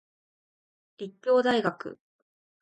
立教大学